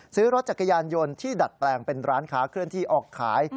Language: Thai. ซื้อรถจักรยานยนต์ที่ดัดแปลงเป็นร้านค้าเคลื่อนที่ออกขาย